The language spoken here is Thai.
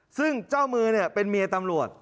ซึ่งเจ้ามือเป็นเมียตำรวจ